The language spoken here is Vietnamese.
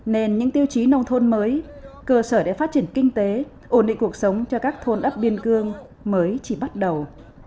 nên những tiêu chí nông thôn mới cơ sở để phát triển kinh tế ổn định cuộc sống cho các thôn ấp biên cương mới chỉ bắt đầu